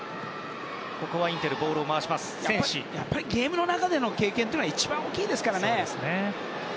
やっぱりゲームの中での経験が一番大きいですからね。